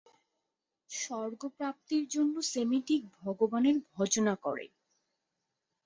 স্বর্গপ্রাপ্তির জন্য সেমিটিক ভগবানের ভজনা করে।